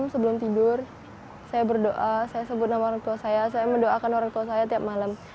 sebelum tidur saya berdoa saya sebut nama orang tua saya saya mendoakan orang tua saya tiap malam